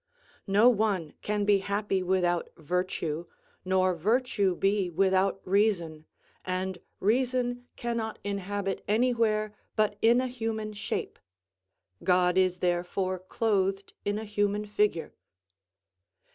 No one can be happy without virtue, nor virtue be without reason, and reason cannot inhabit anywhere but in a human shape; God is therefore clothed in a human figure.